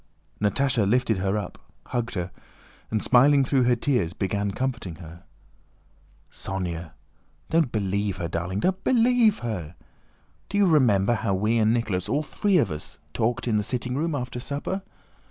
Natásha lifted her up, hugged her, and, smiling through her tears, began comforting her. "Sónya, don't believe her, darling! Don't believe her! Do you remember how we and Nicholas, all three of us, talked in the sitting room after supper?